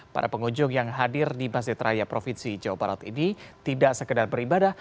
para pengunjung yang hadir di masjid raya provinsi jawa barat ini tidak sekedar beribadah